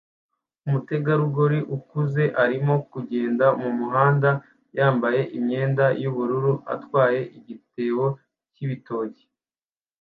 umutegarugori ukuze arimo kugenda mumuhanda yambaye imyenda yubururu atwaye igitebo cyibitoki